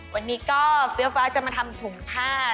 วันนี้ก็เฟี้ยวฟ้าจะมาทำถุงผ้า